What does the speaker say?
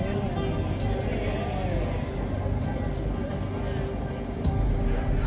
นี้นี้นี้